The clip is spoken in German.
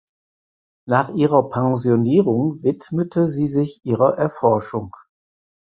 Nach ihrer Pensionierung widmete sie sich ihrer Erforschung.